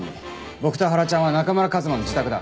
僕とハラちゃんは中村一馬の自宅だ。